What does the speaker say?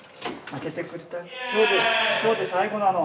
今日で最後なの。